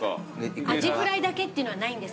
アジフライだけっていうのはないんですね？